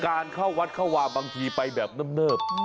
การเข้าวัดเข้าวาบางทีไปแบบเนิ่มเนิบ